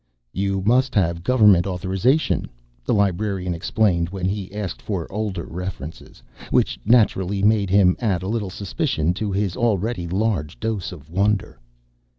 "You must have government authorization," the librarian explained when he asked for older references. Which, naturally, made him add a little suspicion to his already large dose of wonder.